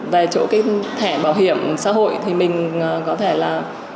về chỗ cái thẻ bảo hiểm xã hội thì mình có thể là